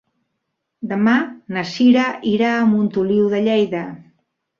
Demà na Cira irà a Montoliu de Lleida.